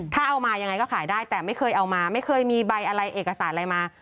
ถ้าเอามายังไงก็ขายได้แต่ไม่เคยเอามาไม่เคยมีใบอะไรเอกสารอะไรมา